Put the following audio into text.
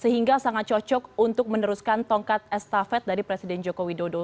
sehingga sangat cocok untuk meneruskan tongkat estafet dari presiden joko widodo